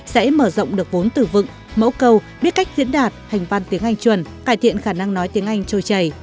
sẽ mở rộng được vốn tử vựng mẫu câu biết cách diễn đạt hành văn tiếng anh chuẩn cải thiện khả năng nói tiếng anh trôi chảy